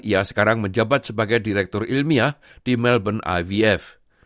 ia sekarang menjabat sebagai direktur ilmiah di melbourne ivf